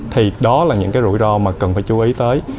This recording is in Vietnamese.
thì đó là những cái rủi ro mà cần phải chú ý tới